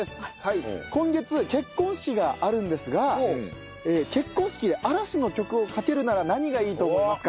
今月結婚式があるんですが結婚式で嵐の曲をかけるなら何がいいと思いますか？